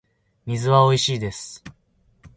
水はおいしいです